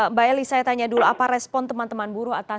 mbak eli saya tanya dulu apa respon teman teman buruh atas